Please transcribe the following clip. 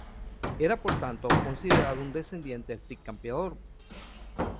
Era por tanto considerado descendiente del Cid Campeador.